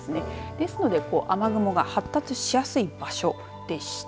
ですので雨雲が発達しやすい場所でした。